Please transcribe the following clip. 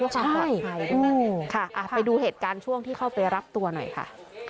ใช่ค่ะไปดูเหตุการณ์ช่วงที่เข้าไปรับตัวหน่อยค่ะ